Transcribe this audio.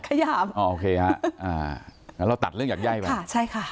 ขยับอ๋อโอเคฮะอ่าแล้วเราตัดเรื่องยักษ์ย่ายไปค่ะใช่ค่ะ